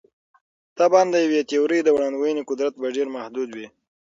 طبعاً د یوې تیورۍ د وړاندوینې قدرت به ډېر محدود وي.